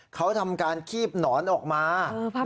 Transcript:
เขาทำการคีบหนอนออกมา